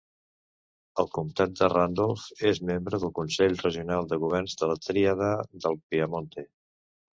El comptat de Randolph és membre del Consell Regional de governs de la Tríada del Piamonte.